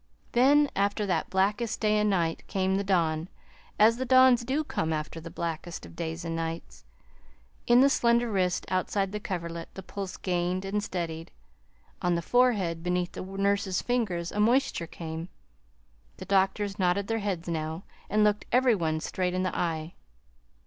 Then, after that blackest day and night, came the dawn as the dawns do come after the blackest of days and nights. In the slender wrist outside the coverlet the pulse gained and steadied. On the forehead beneath the nurse's fingers, a moisture came. The doctors nodded their heads now, and looked every one straight in the eye.